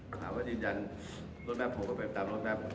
ถามว่าจริงจันรถแบบผมก็ไปตามรถแบบ